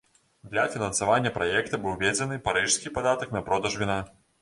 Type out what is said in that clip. Для фінансавання праекта быў уведзены парыжскі падатак на продаж віна.